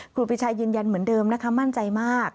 ครูปีชายืนยันเหมือนเดิมนะคะมั่นใจมาก